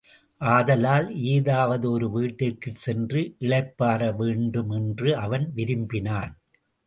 ஆதலால் ஏதாவது ஒரு வீட்டிற்குச்சென்று இளைப்பாற வேண்டு மென்று அவன் விரும்பினான்.